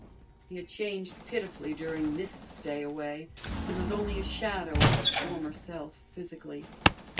He had changed pitifully during this stay away and was only a shadow of his former self physically.